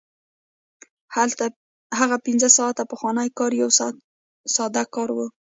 هغه پنځه ساعته پخوانی کار یو ساده کار و